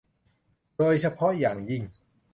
โดยเฉพาะอย่างยิ่ง